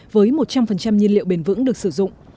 với một trăm linh nhiên liệu bền vững được sử dụng